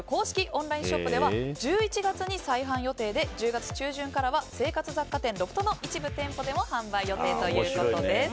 オンラインショップでは１１月に再販予定で１０月中旬からは生活雑貨店ロフトの一部店舗でも販売予定ということです。